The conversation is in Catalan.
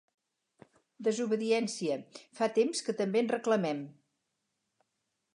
Desobediència, fa temps també que en reclamem.